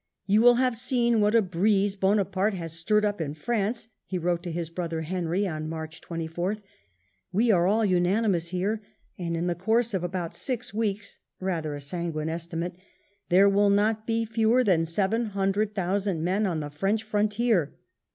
"You will have seen what a breeze Bonaparte has stirred up in France," he wrote to his brother Henry on March 24th. " We are all unanimous here, and in the course of about six weeks [rather a sanguine estimate] there will not be fewer than seven hundred thousand men on the French frontier.